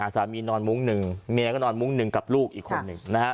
นอนมุ้งหนึ่งเมียก็นอนมุ้งหนึ่งกับลูกอีกคนหนึ่ง